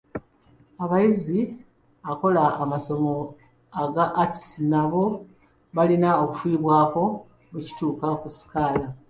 Abayizi akola amasomo ga atisi nabo balina okufiibwako bwe kituuka ku sikaala.